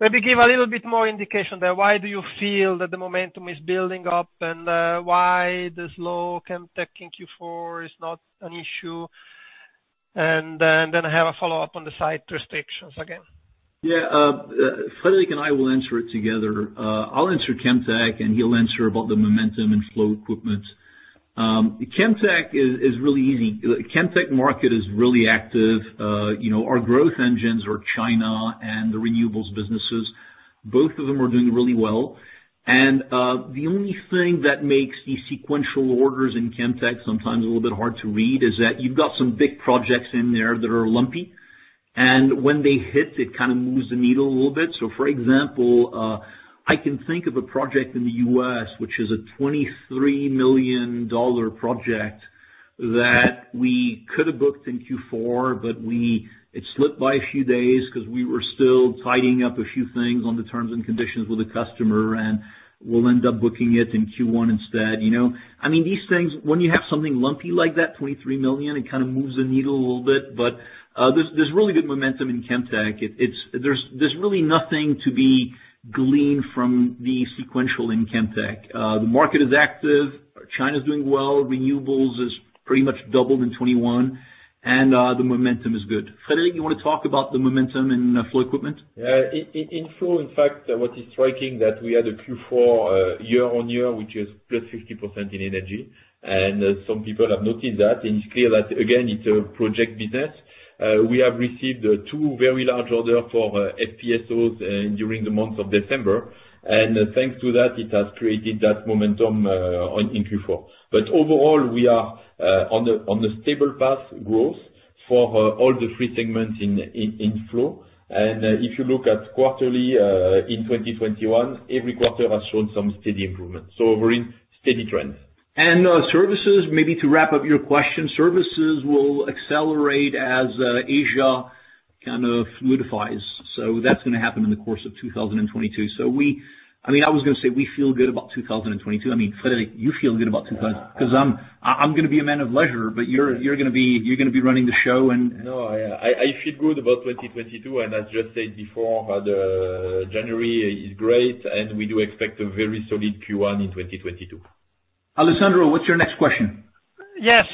maybe give a little bit more indication there? Why do you feel that the momentum is building up and why the slow Chemtech in Q4 is not an issue? Then I have a follow-up on the site restrictions again. Yeah. Frédéric and I will answer it together. I'll answer Chemtech and he'll answer about the momentum and Flow Equipment. Chemtech is really easy. Chemtech market is really active. You know, our growth engines are China and the renewables businesses. Both of them are doing really well. The only thing that makes the sequential orders in Chemtech sometimes a little bit hard to read is that you've got some big projects in there that are lumpy. When they hit, it kind of moves the needle a little bit. For example, I can think of a project in the U.S., which is a $23 million project that we could have booked in Q4, but it slipped by a few days 'cause we were still tidying up a few things on the terms and conditions with the customer, and we'll end up booking it in Q1 instead, you know. I mean, these things, when you have something lumpy like that, $23 million, it kind of moves the needle a little bit. There's really good momentum in Chemtech. There's really nothing to be gleaned from the sequential in Chemtech. The market is active. China's doing well. Renewables pretty much doubled in 2021, and the momentum is good. Frédéric, you wanna talk about the momentum in Flow Equipment? In flow, in fact, what is striking is that we had a Q4 year-on-year, which is +50% in energy, and some people have noted that. It's clear that again, it's a project business. We have received two very large orders for FPSOs during the month of December. Thanks to that, it has created that momentum in Q4. Overall, we are on a stable path of growth for all three segments in flow. If you look at quarterly in 2021, every quarter has shown some steady improvement. We're in steady trends. Services, maybe to wrap up your question, Services will accelerate as Asia kind of fluidifies. That's gonna happen in the course of 2022. I mean, I was gonna say we feel good about 2022. I mean, Frédéric, you feel good about 2022 'cause I'm gonna be a man of leisure. Yeah. You're gonna be running the show and No, I feel good about 2022, and as you have said before, January is great, and we do expect a very solid Q1 in 2022. Alessandro, what's your next question? Yes.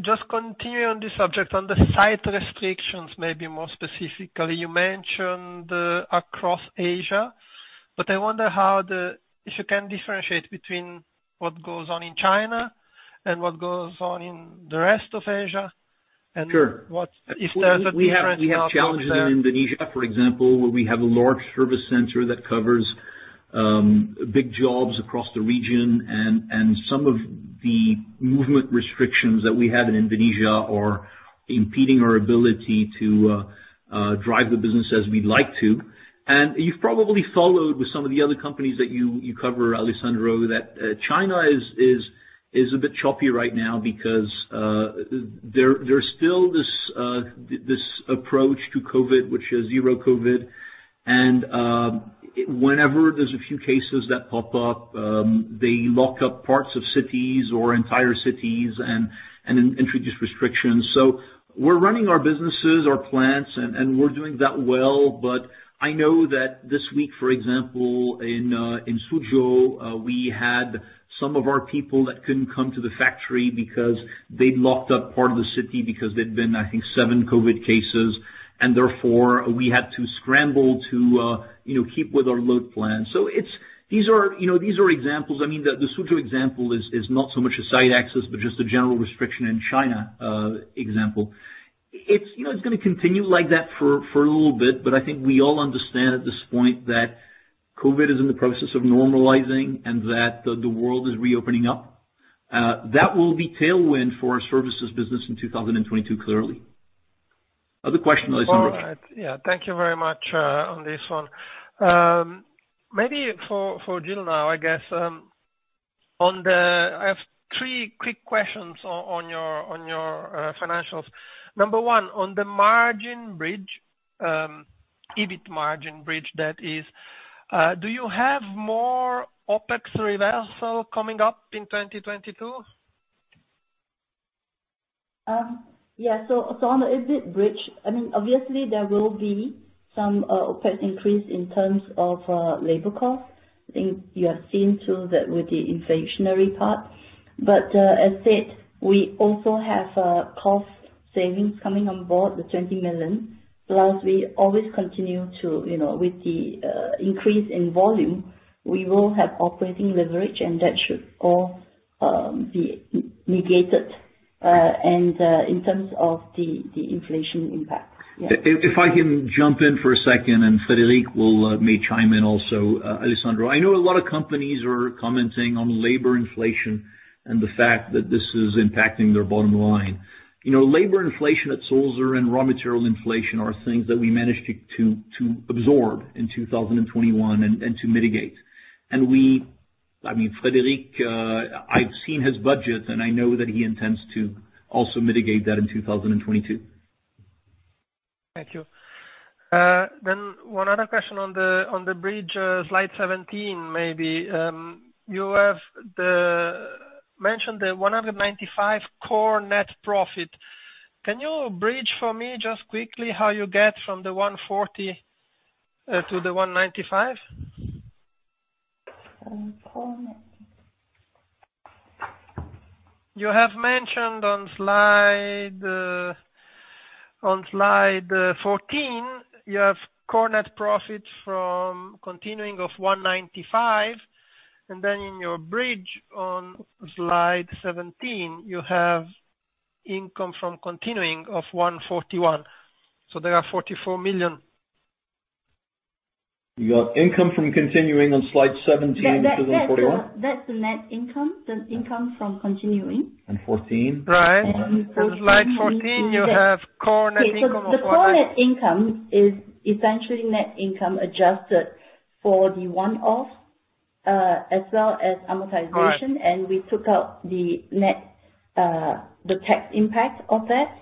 Just continuing on this subject, on the site restrictions, maybe more specifically. You mentioned across Asia, but I wonder if you can differentiate between what goes on in China and what goes on in the rest of Asia and- Sure. If there's a difference. We have challenges in Indonesia, for example, where we have a large service center that covers big jobs across the region and some of the movement restrictions that we have in Indonesia are impeding our ability to drive the business as we'd like to. You've probably followed with some of the other companies that you cover, Alessandro, that China is a bit choppy right now because there's still this approach to COVID, which is zero COVID. Whenever there's a few cases that pop up, they lock up parts of cities or entire cities and introduce restrictions. We're running our businesses, our plants, and we're doing that well. I know that this week, for example, in Suzhou, we had some of our people that couldn't come to the factory because they'd locked up part of the city because there'd been, I think, seven COVID cases. Therefore, we had to scramble to, you know, keep with our load plan. These are, you know, examples. I mean, the Suzhou example is not so much a site access, but just a general restriction in China example. It's, you know, it's gonna continue like that for a little bit, but I think we all understand at this point that COVID is in the process of normalizing and that the world is reopening up. That will be tailwind for our Services business in 2022, clearly. Other question, Alessandro. All right. Yeah, thank you very much on this one. Maybe for Jill now, I guess. I have three quick questions on your financials. Number one, on the margin bridge, EBIT margin bridge that is, do you have more OpEx reversal coming up in 2022? On the EBIT bridge, I mean, obviously, there will be some OpEx increase in terms of labor cost. I think you have seen too that with the inflationary part. As said, we also have cost savings coming on board with 20 million. Plus we always continue to, you know, with the increase in volume, we will have operating leverage, and that should all be mitigated and in terms of the inflation impacts. If I can jump in for a second, and Frédéric will may chime in also, Alessandro. I know a lot of companies are commenting on labor inflation and the fact that this is impacting their bottom line. You know, labor inflation at Sulzer and raw material inflation are things that we managed to absorb in 2021 and to mitigate. I mean, Frédéric, I've seen his budget, and I know that he intends to also mitigate that in 2022. Thank you. One other question on the bridge, slide 17, maybe. You have mentioned the 195 core net profit. Can you bridge for me just quickly how you get from the 140 to the 195? Um, core net- You have mentioned on slide 14, you have core net profit from continuing operations of 195, and then in your bridge on slide 17, you have income from continuing operations of 141. There are 44 million. You got income from continuing operations on slide 17, which is 141. That's the net income. The income from continuing. 14. Right. On slide 14, you have core net income of CHF 190- Okay. The core net income is essentially net income adjusted for the one-off, as well as amortization. Right. We took out the net tax impact of that.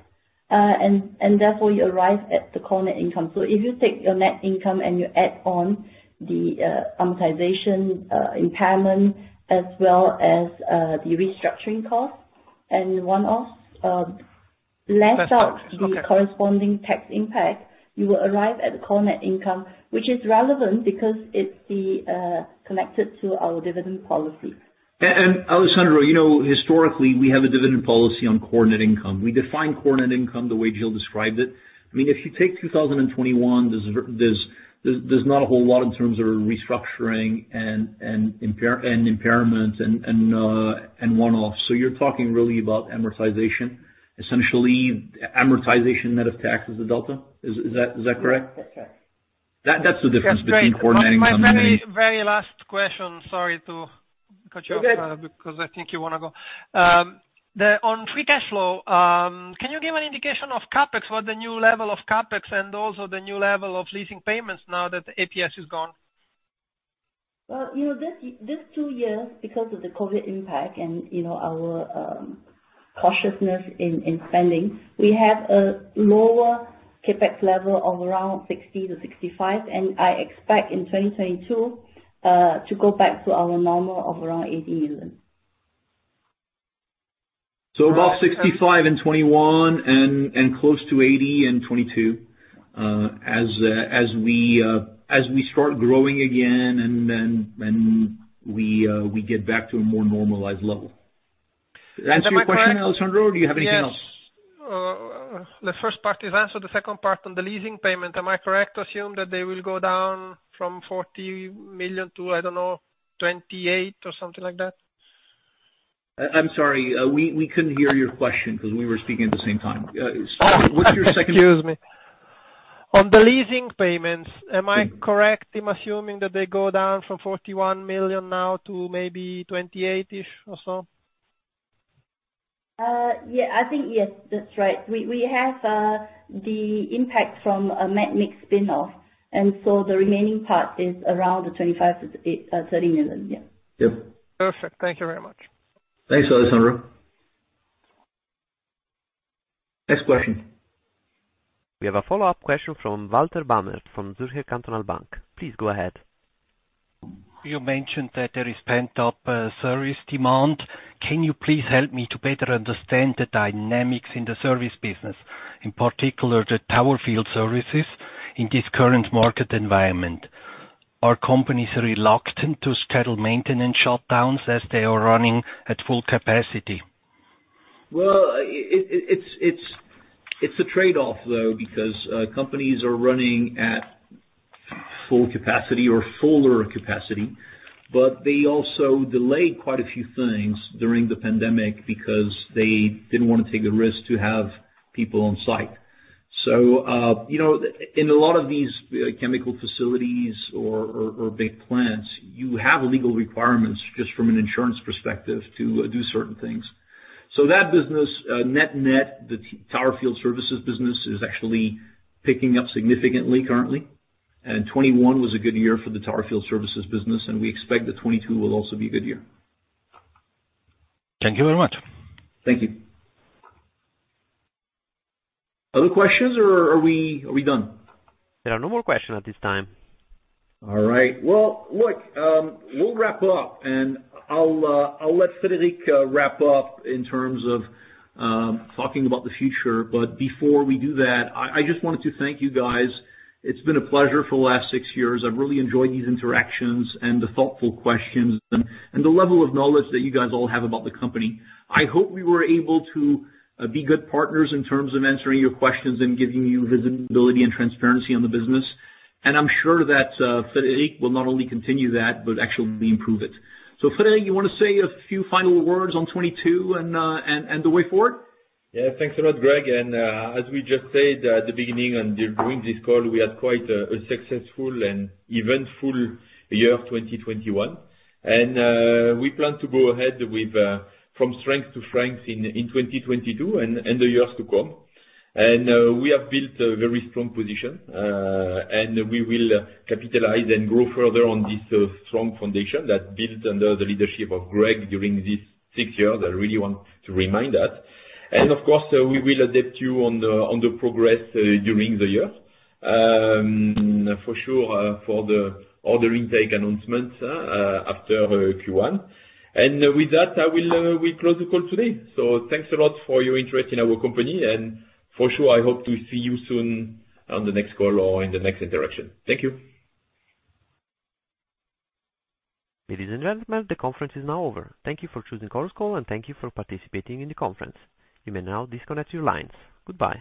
Therefore, you arrive at the core net income. If you take your net income and you add on the amortization, impairment as well as the restructuring costs and one-offs, less out- Less out. Okay. The corresponding tax impact, you will arrive at the core net income, which is relevant because it's connected to our dividend policy. Alessandro, you know, historically, we have a dividend policy on core net income. We define core net income the way Jill described it. I mean, if you take 2021, there's not a whole lot in terms of restructuring and impairment and one-offs. You're talking really about amortization. Essentially amortization net of tax is the delta. Is that correct? Yes. That's correct. That's the difference between core net income and Just my very last question. Sorry to cut you off. You're good. because I think you wanna go. On free cash flow, can you give an indication of CapEX, what the new level of CapEX and also the new level of leasing payments now that APS is gone? Well, you know, this two years, because of the COVID impact and, you know, our cautiousness in spending, we have a lower CapEx level of around 60-65, and I expect in 2022 to go back to our normal of around 80 million. About 65 in 2021 and close to 80 in 2022, as we start growing again and then we get back to a more normalized level. Does that answer your question, Alessandro? Do you have anything else? Yes. The first part is answered. The second part on the leasing payment, am I correct to assume that they will go down from 40 million to, I don't know, 28 or something like that? I'm sorry, we couldn't hear your question because we were speaking at the same time. What's your second- Excuse me. On the leasing payments, am I correct in assuming that they go down from 41 million now to maybe 28-ish or so? Yeah, I think yes, that's right. We have the impact from medmix spin-off, and so the remaining part is around the 25 million-30 million. Yeah. Yep. Perfect. Thank you very much. Thanks, Alessandro. Next question. We have a follow-up question from Walter Bamert from Zürcher Kantonalbank. Please go ahead. You mentioned that there is pent-up service demand. Can you please help me to better understand the dynamics in the service business, in particular the tower field services in this current market environment? Are companies reluctant to schedule maintenance shutdowns as they are running at full capacity? Well, it's a trade-off though because companies are running at full capacity or fuller capacity, but they also delayed quite a few things during the pandemic because they didn't wanna take the risk to have people on site. You know, in a lot of these chemical facilities or big plants, you have legal requirements just from an insurance perspective to do certain things. That business, net-net, the tower field services business is actually picking up significantly currently. 2021 was a good year for the tower field services business, and we expect that 2022 will also be a good year. Thank you very much. Thank you. Other questions or are we done? There are no more questions at this time. All right. Well, look, we'll wrap up and I'll let Frédéric wrap up in terms of talking about the future. Before we do that, I just wanted to thank you guys. It's been a pleasure for the last six years. I've really enjoyed these interactions and the thoughtful questions and the level of knowledge that you guys all have about the company. I hope we were able to be good partners in terms of answering your questions and giving you visibility and transparency on the business. I'm sure that Frédéric will not only continue that but actually improve it. Frédéric, you wanna say a few final words on 2022 and the way forward? Yeah. Thanks a lot, Greg. As we just said at the beginning and during this call, we had quite a successful and eventful year of 2021. We plan to go ahead with from strength to strength in 2022 and the years to come. We have built a very strong position, and we will capitalize and grow further on this strong foundation that built under the leadership of Greg during this six years. I really want to remind that. Of course, we will update you on the progress during the year. For sure, for the order intake announcements after Q1. With that, we close the call today. Thanks a lot for your interest in our company. For sure, I hope to see you soon on the next call or in the next interaction. Thank you. Ladies and gentlemen, the conference is now over. Thank you for choosing Chorus Call, and thank you for participating in the conference. You may now disconnect your lines. Goodbye.